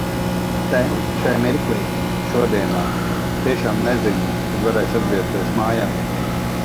Te, šai mirklī, šodienā, tiešām nezinu, kad varēšu atgriezties mājās.